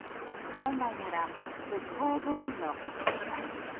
本来なら復興五輪のはずでした。